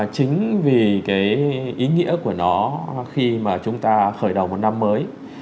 chính vì cái ý nghĩa của nó khi mà chúng ta khởi đầu một năm mới